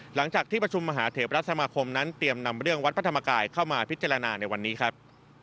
หลังจากที่ประชุมมหาเทพรัฐสมาคมนั้นเตรียมนำเรื่องวัดพระธรรมกายเข้ามาพิจารณาในวันนี้ครับ